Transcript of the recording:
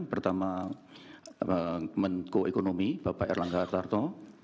pertama menko ekonomi bapak erlangga hartarto